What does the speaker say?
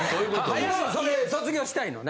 早くそれ卒業したいのね？